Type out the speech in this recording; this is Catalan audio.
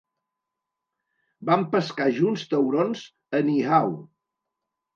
Vam pescar junts taurons a Niihau.